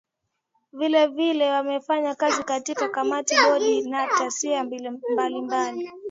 Vile vile amefanya kazi katika Kamati Bodi na Taasisi mbalimbali